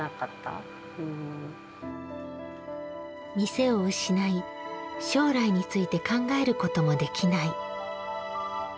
店を失い、将来について考えることもできない。